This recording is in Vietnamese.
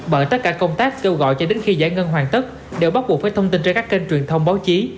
bởi tất cả công tác kêu gọi cho đến khi giải ngân hoàn tất đều bắt buộc với thông tin trên các kênh truyền thông báo chí